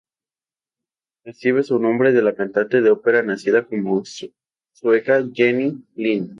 Recibe su nombre de la cantante de ópera nacida como sueca, Jenny Lind.